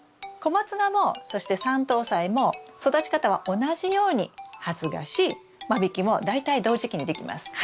コマツナもそしてサントウサイも育ち方は同じように発芽し間引きも大体同時期にできます。